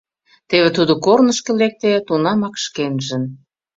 Теве тудо корнышко лекте, тунамак шкенжын.